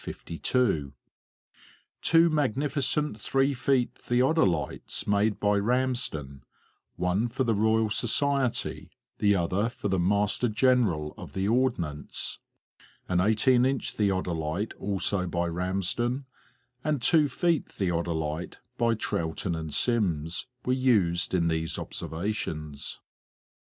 Two magnificent 3 feet theodolites made by Ramsden, one for the Royal Society, the other for the Master General of the Ordnance, an 18 inch theodolite also by Ramsden, and 2 feet theodolite by Troughton and Simms were used in these observations.